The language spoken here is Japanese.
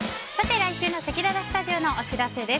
来週のせきららスタジオのお知らせです。